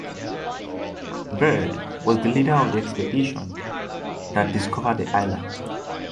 Byrd was the leader of the expedition that discovered the island.